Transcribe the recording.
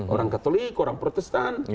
orang katolik orang protestan